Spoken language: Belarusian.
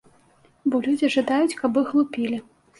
Бо людзі жадаюць, каб іх лупілі.